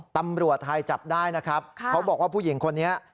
ตำรวจไทยจับได้นะครับเขาบอกว่าผู้หญิงคนนี้